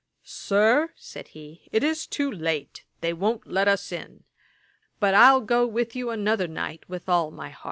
'Sir, (said he) it is too late; they won't let us in. But I'll go with you another night with all my heart.'